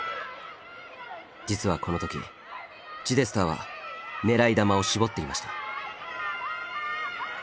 実はこの時チデスターは狙い球を絞っていました。